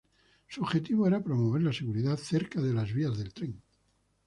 Su objetivo era promover la seguridad cerca de las vías de tren.